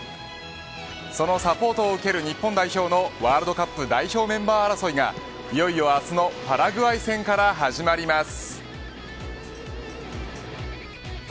そのサポートを受ける日本代表のワールドカップ代表メンバー争いがいよいよ明日のパラグアイ戦から始まります。